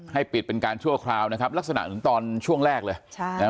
ให้ปิดเป็นการชั่วคราวนะครับลักษณะถึงตอนช่วงแรกเลย